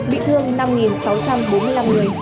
bị thương năm sáu trăm bốn mươi năm người